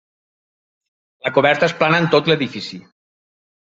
La coberta és plana en tot l'edifici.